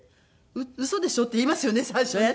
「ウソでしょ？」って言いますよね最初ね。